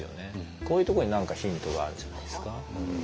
こういうところに何かヒントがあるんじゃないですか。